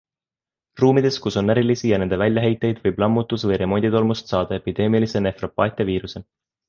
Ruumides, kus on närilisi ja nende väljaheiteid, võib lammutus- või remonditolmust saada epideemilise nefropaatia viiruse.